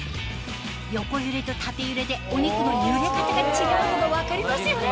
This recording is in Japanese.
横揺れと縦揺れでお肉の揺れ方が違うのが分かりますよね？